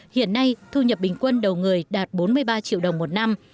hiện nay thu nhập bình quân đầu người đạt bốn mươi ba triệu đồng một năm